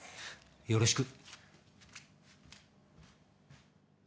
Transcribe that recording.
よろしく。